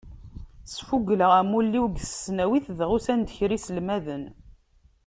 Sfugleɣ amulli-w deg tesnawit, dɣa usan-d kra iselmaden.